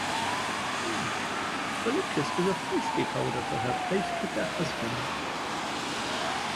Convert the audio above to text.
Palinkas was a placekick holder for her placekicker husband.